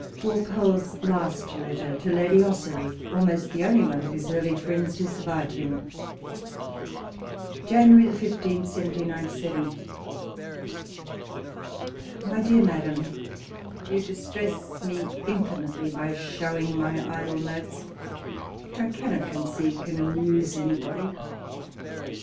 WALPOLES LAST LETTEIi TO LADY OSSORY. ALMOST THE ONLY ONE OF HIS EARLY FRiEyns ^vHo sury/vkd him. Jan. 15, 1797. My Dear Madam,— You distress me infinitely by showing my idle notes, which I cannot con ceive can amuse anybody.